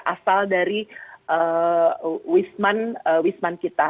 asal dari wisman kita